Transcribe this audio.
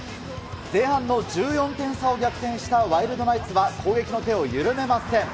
前半の１４点差を逆転したワイルドナイツは攻撃の手を緩めません。